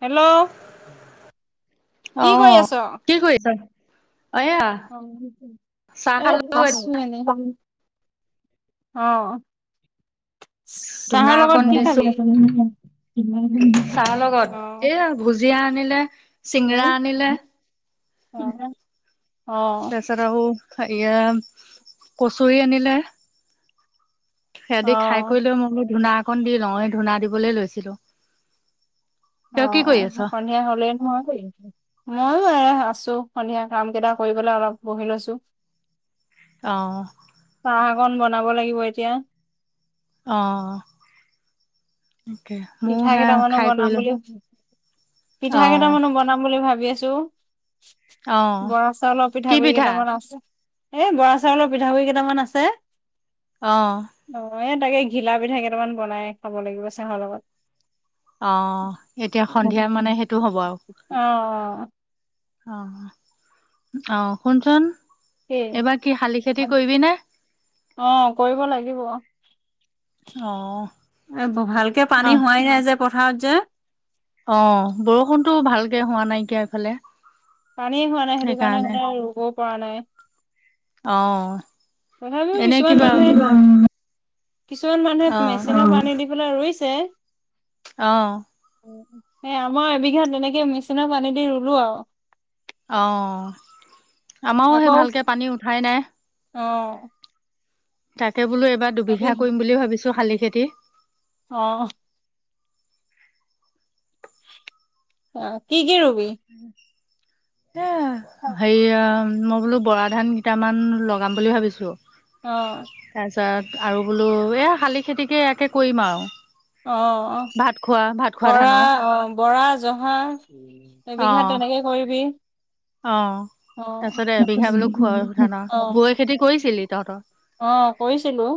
Hello অ কি কৰি আছ? কি কৰিছ চাহ এ খালো, আছো এনে। অ ধুনা চাহৰ লগত অকণ কি দিছো খাবি? চাহ লগত অ এইয়া ভুজিয়া আনিলে অ চিঙৰা আনিলে অ বেচেৰা অ এয়া কচৰি আনিলে সিহঁতি খাই কৰি লৈ মই বোলো ধূনা অকন দি লওঁ এই ধূনা দিবলে লৈ ছিলো অ সন্ধিয়া হলেই নহয় ময়ো এ আছো সন্ধিয়া কাম কেইটা কৰিবলৈ অলপ বহি লৈছো অ চাহ অকন বনাব লাগিব এতিয়া অ তাকে ময়ো পিঠা সেয়া কেইটামানো খাই কৰি বনাম লৈ বুলি ভ পিঠা অ', কেইটামানো বনাম বুলি ভাবি ভাবি আছো অ', বৰা চাউলৰ কি পিঠাগুৰি পিঠা? কেইটামান আছে এই বৰা চাউলৰ পিঠাগুড়ি কেইটামান আছে অহ। এই তাকে ঘিলা পিঠা কেইটামান বনাই খাব লাগিব চাহৰ লগত। অ এতিয়া সন্ধিয়া মানে সেইটো হ'ব আও অ অ আহ শুনচোন। কি? এইবাৰ কি শালি খেতি কৰিবি নে? অ কৰিব লাগিব। অ', এ ভালকে পানী অ', হোৱাই নাই যে। পথাৰত যে। অ বৰষুণতো ভালকে হোৱা নাইকিয়া এইফালে। পানীয়ে হোৱা নাই সেইটো কাৰণে সেইকাৰণে ৰুব। পৰা নাই। অ। তথাবিও এনে কিছমান কিবা উম মানুহে [unintelligible] কিছুমান মানুহে অ মেচিনৰ পানী দি ৰুইছে। অ। এই আমাৰ এবিঘা তেনেকে মেচিনৰ পানী দি ৰুলো আও। অ। আমাৰও সে আকৌ ভালকে পানী উঠাই নাই। অ তাকে বোলো এইবাৰ এদি দুবিঘা কৰিম বুলি ভাবিছো শালি। খেতি। অ। অ কি কি ৰোঁ। [unintelligible] এ সেইয়া মই বোলো বৰা ধান কেইটামান লগাম বুলি ভাবিছোঁ। অ। তাত আৰু বোলো এ শালি খেতিকে এয়াকে কৰিম আও। অ অ বৰা ধানৰ অ বৰা জহা অ এবিঘা তেনেকে কৰিবি। অ অ তাৰপিছত এবিঘা বোলো খোৱা ধানৰ আহ বৈ খেতি কৰিছিলি তহঁতৰ আহ কৰিছিলো,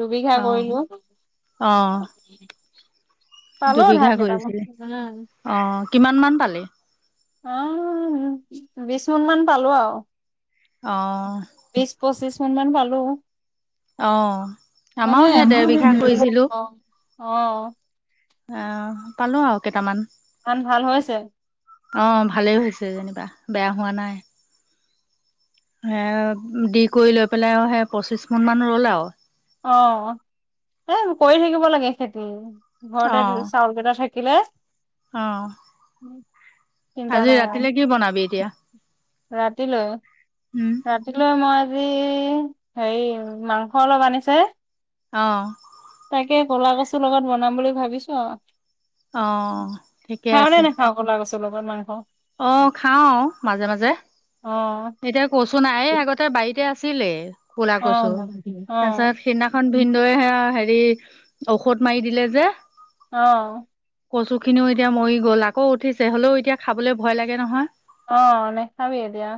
দুবিঘা কৰিলো। অঁ পালো ধান দুবিঘা কৰিছিলে, কেইটামান অ কিমান মান পালি? অ বিশ মুন মান পালো আও। অ। কেটামান পালো। অ' মানে আমাৰো সে ডেৰবিঘা কৰিছিলো। অ অ অ পালো আৰু কেইটামান। ধান ভাল হৈছে অ ভালেই হৈছে যেনিবা। বেয়া হোৱা নাই। এ দি কৰি লৈ পেলাই সে পঁচিশ মোন মান ৰ'ল আৰু। অ এ কৰি থাকিব লাগে খেতি। ঘৰতে চাউল কেইটা থাক কিনে? অহ। চিন্তা আজি নাই আৰু ৰাতিলে কি বনাবি এতিয়া? ৰাতিলৈ উম ৰাতিলৈ মই আজি হেৰি মাংস অলপ আনিছে অহ। তাকে ক'লা কচু লগত বনাম বুলি ভাবিছো আও। অ' ঠিকে আছে। ভাত লগত মাংস। অ' খাওঁ মাজে -মাজে। অ এতিয়া কচু নাইয়ে আগতে বাৰীত- এতিয়া আছিলে। ক'লা অ কচু। অ তাৰ পিছত সিদিনাখন ভিনদউয়ে হেয়া হেৰি ঔষধ মাৰি দিলে যে। আহ কচু খিনিও এতিয়া মৰি গ'ল, আকৌ উঠিছে। হলেও, এতিয়া খাবলৈ ভয় লাগে নহয়। অ নেখাবি এতিয়া।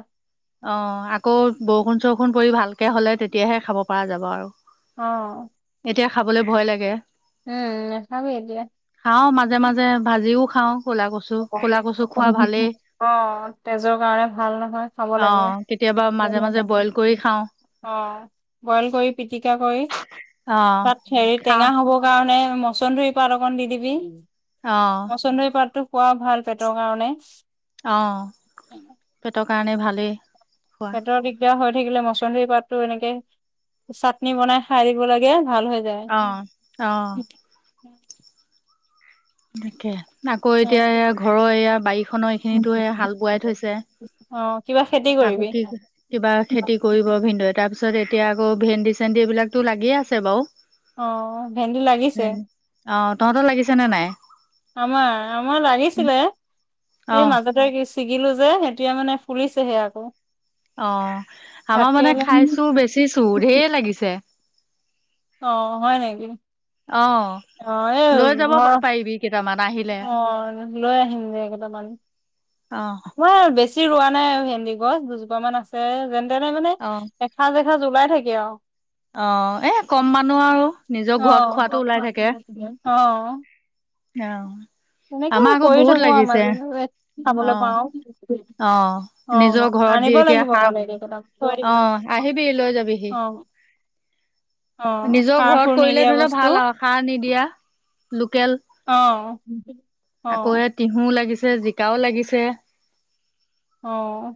অ' আকৌ বৰষুণ-চৰষুণ পৰি ভালকে হলে তেতিয়াহে খাব পৰা যাব আৰু অ এতিয়া খাবলৈ ভয় লাগে। উম। নেখাবি এতিয়া। খাওঁ মাজে মাজে ভাজিও খাওঁ ক'লা কচু ক'লা কচু খোৱা ভালেই। অ' তেজৰ কাৰণে ভাল অ নহয়। কেতিয়াবা মাজে মাজে বইল কৰি খাওঁ অ বইল কৰি পিটিকা কৰি অ। তাত হেৰি খাওঁ টেঙা হ'ব কাৰণে মচন্দুৰী পাত অকণ দি দিবি। অ মচন্দুৰি পাতটো খোৱা ভাল পেটৰ কাৰণে। অ' পেট কা- কাৰণে ভালেই। খোৱা পেটৰ দিগদাৰ হয়। থাকিলে মচন্দী পাত ো এনেকে চাটনি বনাই খাই দিব লাগে ভাল হৈ অ। অ যায় এনেকে আকৌ এতিয়া উম। ঘৰৰ এয়া বাৰীখনৰ এইখিনিতো সে হাল বোৱাই থৈছে অ' কিবা খেতি আকৌ কৰিবি? কি কিবা খেতি কৰিব ভিন্দ তাৰ পিছ তাৰিত এতি আকৌ ভেন্দি চেন্দি এইবিলাকতো লাগিয়ে আছে বাৰু অ ভেন্দি লাগিছে ভেন অ তহঁতৰ লাগিছে নে নাই আমাৰ আমাৰ লাগিছিলে অ এই মাজতে কি ছিগিলো যে এতিয়া মানে ফুলিছেহে আকৌ অ ভাত আমাৰ মানে কেৰেলা খাইছো বেচিছো ধঢেৰ লাগিছে অ হয় নেকি অ আহ এই লৈ যাব ঘৰ পাৰিবি কেইটামান আহিলে আহ লৈ আহিম যে কেইটা পানী অ মই আৰু বেছি বি ৰোৱা নাই ভেন্দি গছ দুজোপা মান আছে যেন তেনে মানে অ এসা জ এসা জলাই থাকে অ অ এ কম মানুহ আৰু নিজৰ ঘৰত খোৱাতটো ওলাই থাকে অ' অ' অ তেনেকে আমাৰ আকৌ কৰি বহুত থাকো লাগিছে আমাজ অ খাবলৈ পাও অ নিজৰ অ ঘৰত দি আনিব এতিয়া লাগিব সাৰ গলেেইটাক থৈ অ দি আহিবি লৈ যাবিহি অ অ', নিজৰ সাৰ ঘৰত সুৰ কৰিলে নিদিয়া ধৰিলেও বস্তু ভাল আৰু সাৰ নিদিয়া লু অ উ আকৌ এ তিহু লাগিছে জিকাও লাগিছে আহ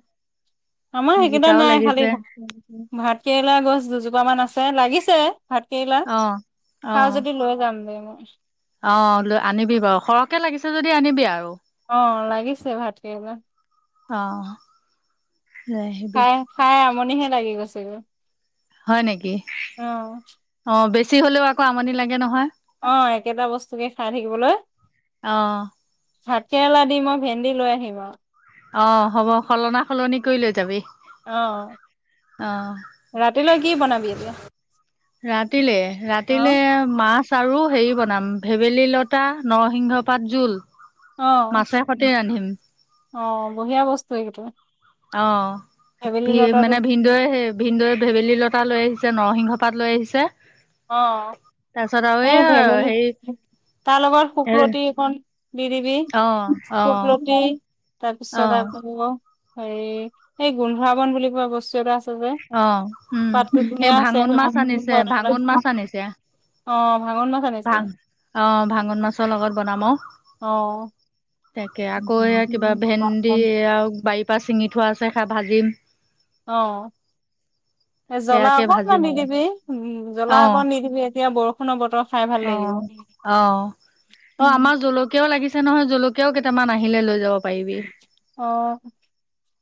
আমাৰ সেইকেইটা জিকাও নাই খালি লাগিছে ভাত কেৰেলা গছ দুজোপা মান আছে লাগিছে তে অ অ লৈ যাম দে মই অ লৈ আনিবি বাৰু সৰহকে লাগিছে যদি আনিবে আৰু অ লাগিছে ভাত কেৰেলা অ লৈ আহিবি খাই খাই আমনিহে লাগি [unintelligible] হয় নেকি অ', অ বেছি বেছি হ'লেও আকৌ আমনি লাগে নহয় অ একেটা বস্তুকে খাই থাকিবলৈ অ ভাত কেৰেলা দি মই ভে লৈ আহিম অ অ হ'ব সলনা সলনি কৰি লৈ যাবি অ অ ৰাতিলৈ কি বনাবি এতিয়া ৰাতিলে ৰাতিলে অ'। মাছ আৰু হেৰি বনাম ভেবেলী লতা নৰসিংহ পাত জোল অ', মাছেষতে ৰান্ধিম অ বঢ়িয়া বস্তু ইটোৱ অ ভি মানে ভিনদৈ সে ভিনদৈ ভেবেলী লতা লৈ আহিছে নৰসিংহ পাত লৈ আহিছে অ তাৰপিছত আৰু এ ভেবেলি এই তাৰ লগত হেৰি শুকলতি এখন দি দিবি অ অ শুকলতি অ তাৰপিছত আৰু কব হে এই গোন্ধাবন বুলি কোৱা বস্তু এটা আছে যে অ উম পাতটো এই ধুনীয়া আছে ভাঙন মাছ আনিছে ভাঙন মাছ আনিছে অ ভাঙন মাছ আনিছে ভাং অ ভাঙন মাছৰ লগত বনাম অ', তাকে আকৌ এ কিবা ভেন্দিয়া বায় ত পৰা চিঙি থোৱা আছে খাই ভাজিম অ এ জ্বলা সেয়াকে অকণমান ভাজিম আৰু নিদিবি উ জ্বলা অ অকণ নিদিবি এতিয়া বৰষুণৰ বতৰ খাই ভাল অ লাগিব। অ অ উম আমাৰ জলকীয়াও লাগিছে নহয় জলক কীয়াও কেইটামান আহিলে লৈ যাব পাৰিবি অ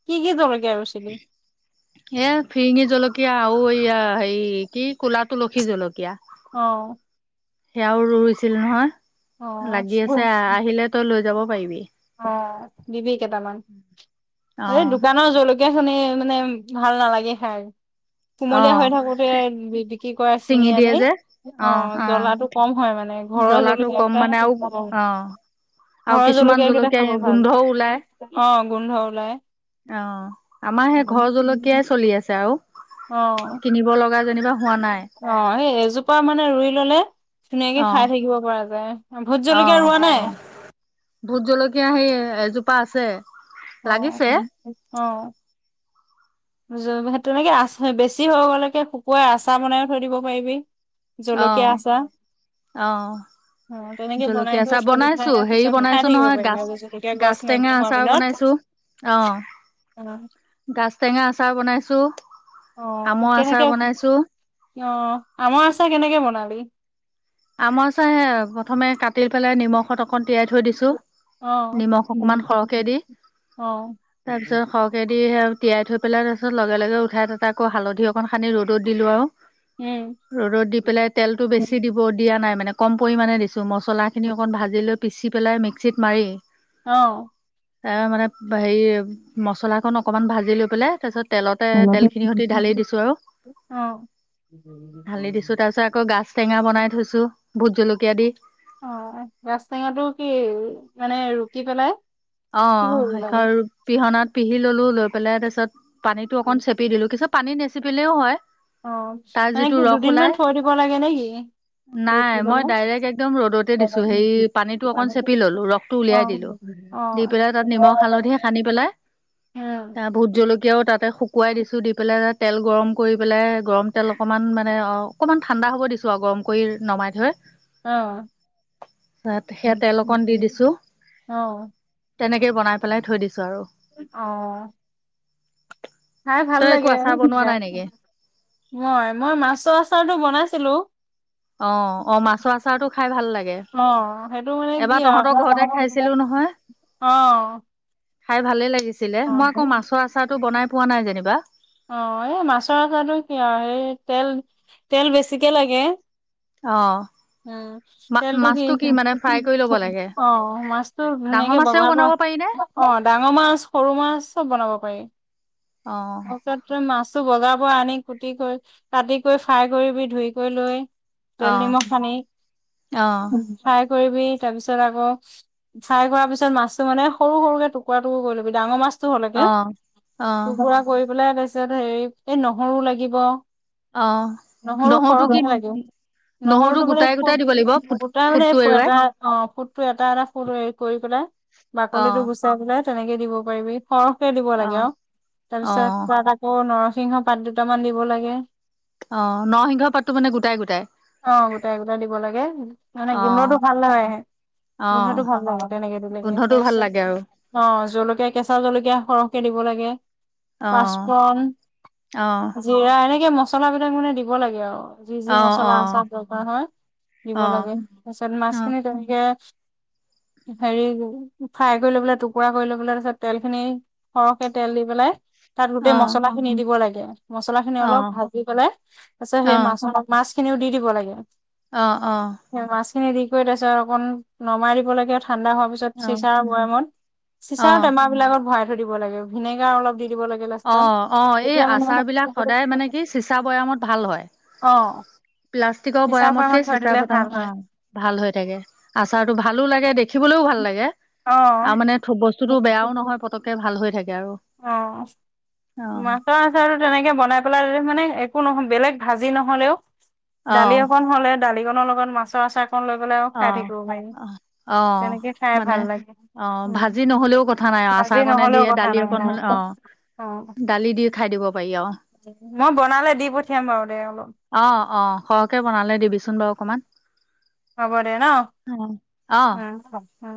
কি কি জল ৰুইছিলি এ ফিৰিঙি জলকীয়া আৰু এইয়া হেৰি কি কলা তুলসী জলকীয়া অ'। সেয়াও ৰুইছিল নহয় অ লাগি আছে আহিলে তই লৈ যাব পাৰিবি অ দিবি কেটামান অ এই দোকানৰ জলকীয়া খিনি মানে ভাল নালাগে খাই অ কুমলীয়া হৈ থাকোতে বি বিক্ৰী কৰে চিঙি ছিঙি দিয়ে আনি যে অ জ্বলাটো কম হয় মানে ঘৰৰ জ্বলাটো কম জ্বল মানে আৰু অ আৰু কিছুমান কেইটা খাব জলকীয়া ভাল। গোন্ধও ওলাই অ গোন্ধ ওলায়। অ আমাৰ সেই ঘৰৰ জলকীয়াই চলি আছে আৰু। [unintelligible] অ', কিনিব লগা যেনিবা। হোৱা নাই অ এই এজোপা মানে ৰুই। ল'লে। ধুনীয়াকে অ খাই থাকিব পৰা যায় ভোট অ জলকীয়া ৰোৱা নাই। ভোট জলকীয়া সেই এজোপা আছে। অ লাগিছে অ। [unintelligible] তেনেকে আচ বেছি হৈ গকে শুকুৱাই আচাৰ বনাই থৈ দিব পাৰিবি। অ জলকীয়া আচাৰ। অ অ তেনেকে বনাই জলকীয়া কৰি আচাৰ থৈ দি বনাইছো পেলাই হেৰি পিছত খাই বনাইছো থাকিব নহয় পাৰিবি গাজ আৰু জলকীয়া গছ গাজ টেঙা নাইকিয়া হোৱাৰ আচাৰ দিনত। বনাইছো। অ গাজ টেঙা আচাৰ বনাইছো। অ আমৰ আচাৰ কেনেকে বনাইছো অ আমৰ আচাৰ কেনেকে বনালি? আমৰ আচাৰ সেয়া প্ৰথমে কাটি পেলাই নিমখত অকণ তিয়াই থৈ দিছো। অ নিমখ অকমান সৰহকে দি, অ তাৰপিছত সৰহকে দি স তিয়াই থৈ পেলাই তাৰপিছত লগে লগে উঠাই [unintelligible] আকৌ হালধি অকন সানি ৰ'দত দিলোঁ আৰু। উম ৰ'দত দি পেলাই তেলটো বেছি দি। দিয়া নাই মানে কম পৰিমাণে দিছো মছলাখিনি অকণ ভাজি লৈ পিছি পেলাই মিক্সিত মাৰি। অ। এ মানে হেৰি মচলা কন অকনমান ভাজি লৈ পেলাই তাৰপিছত তেলতে তেলখিনিৰ সৈতে ঢালি দিছো আৰু অ ঢালি দিছো তাৰপিছত আকৌ গাজ টেঙা বনাই ভোট জলকীয়া দি। অ গাছ টেঙাটো কি মানে ৰুকি পেলাই? অ কি কৰিব লাগে? শষ পিহনাত পিহি ললো লৈ। পেলাই তাৰপিছত পানীটো অকণ চেপি দিলোঁ কি চপ। পানী নেছেপিলেও হয়। অ তাৰ মানে যিটো কি ৰস দুদিন ওলাই মান থৈ দিব লাগে নে কি? নাই মই ডাইৰেক্ট একদম ৰ'দতে দিছো হেৰি পানীটো অকন চেপি ললো ৰসটো উলিয়াই দিলো [unintelligible] দি পেলাই তাত নিমখ হালধি সানি পেলাই, ত ভোট জলকীয়াও তাতে শুকোৱাই দিছো, দি পেলাই তাত। তেল গৰম কৰি পেলাই, গৰম তেল অকণমান মানে অকণমান ঠাণ্ডা হ'ব দিছোঁ আও গৰম কৰি নমাই থৈ। আহ তাত সেয়া তেল অকণ দি দিছো [inaudible] আহ। তেনেকে বনাই পেলাই থৈ দিছো আৰু। আহ খাই ভাল তই একো লাগো আচাৰ বনোৱা নাই নেকি মই মই মাছৰ আচাৰটো বনাইছিলো অ অ মাছ আচাৰো খাই ভাল লাগে অ সেইটো মানে কি এবাৰ তহঁতৰ আৰু ঘৰতে আাৰ খাইছিলো নহয় অ খাই ভালেই লাগিছে আছিলে অ মই আকৌ মাছৰ আচাৰটো বনাই পোৱা নাই যেনিবা অ এই মাছৰ আটো কি আৰু সেই তেল তেল বেছিকে লাগে অ উ মা তেলটো কি মাছটো মানে ফ্ৰাই কৰি ল'ব লাগে অ মাছটো ডাঙৰ ধুনীয়াকে মাছেও বনাব অ পাৰি নে ডাঙৰ মাছ সৰু মাছ চব বনাব পাৰি অ নাত মছ বজাৰৰ পৰা আনি কুটি কৰিৈ কাটি কৰিৈ ফ্ৰাই কৰিবি ধুই কৰিৈ লৈ অ তেল নিমখ খানি অ ফ্ৰাই কৰিব তাৰিছত আকৌ ফ্ৰাই কৰাাৰ পিছত মাছো মানে সৰুকে টুকুৰা টুকু কৰি লবি ডাঙৰ মাছ অহ অহ ৰা কৰি পেলাই ত পপিছত হেৰি এই নহৰু লাগিব অ নহৰু নহৰুটো সৰহ কি নালাগে নহৰুটো নহৰুতো মানে গোটাই ফু গোটাই দিব লাগিব ফুট গোটাই মানে ফুটটো এৰুৱাই এটা অ ফু ত এটা এটা ফুল হেৰি কৰিেললে অ বাকলি টো গুচাে তেনেকে দিব পাৰিবি সৰহকে দিব লাগে অ অ তাৰপিছত পা নৰসিংহ পাত দুটামান দিব লাগে অ নৰসিংহ পাতটো মানে গোটাই গোটাই আহ গোটাই গোটাই দিব লাগে মানে অ গোন্ধটো ভাল নাগেে অ গোন্ধটো ভাল নাগে তেনেকে দকে গোন্ধটো তাৰ ভাল পিছত লাগে আৰু আহ জলকীয়া কেঁচা জলকীয়া সৰহকে দিব লাগে অ পাঁচফন অ জৰাাৰ এনেকে মছলা বিলাক মানে দিব লাগে আৰু যি অ যি অ অ মছলা আচাৰ দৰকাৰ হয় দিব অ লাগে তাৰ পিছত মাছ খিনি তেনেকে হেৰি ফ্ৰাই কৰি ল'বলৈ টুকুৰা কৰি ল'বলৈ তাৰিছত তেল খিনি সৰহকে তেল দি পেলাই তাত গোটেই মছলাখিন নি দিব লাগে অ মছলা খিনি অ অলপ ভাজি পেললে তাৰপিছত অ সেই অ মাছ মাছ খিনিও দি দিব লাগে অ অ সেই মাছ খিনি দি কত আছে অকন নমাই দিব লাগে থা ঠাণ্ডা হোৱাৰ পিছত অ', চিচাৰৰ বয়েমত চিচাৰ অ', টেমা বিলাকত ভৰাই থ থৈ দিব লাগে ভিনেগাৰ অলপ দি দিব লাগে অ লাষ্টত অ এই তেতিয়া আচাৰ বিলাক মানে সদায় মানে কি চিচা বৈয়ামত ভাল হয় অ প্লাছ- টিকৰ প্ৰেছাৰ বয়ামতকে ফাৰ্মত থৈ চিচা দিলে পতা ভাল অ হয়। ভাল হৈ থাকে আচাৰটো ভালো লাগে দেখি খিবলৈও ভাল লাগে। অ'। আৰু মানে বস্তুতো বেয়াও নহয় পতককে ভাল হৈ থাকে আৰু অ' অ', মাছৰ আাছৰটো তেনেকে বনাই পেলাই মানে একো নহয় বেলেগ ভাজি নহ'লেও দালি অ', অকন হ'লে দালিকনৰ লগত মাছৰ আছাৰ লৈ গলে আৰু খাই অ', থাকিব পাৰি অ', অ', তেনেকে খাই মানে ভাল লাগে। অ উম, ভাজি নহলেও কথা নাই ভাজি আচাৰ অকণনে নহ'লেও দিয়ে কথা দালি নাই অকন হলে অ অ' দালি দি খাই দিব পাৰি আৰু মই বনালে দি পঠিয়াম বাৰু দে অলপ অ অ সহকে বনালে দিবিচোন বাৰু অকমান হ'ব দে ন উ অ', অ'। অ